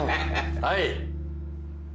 はい。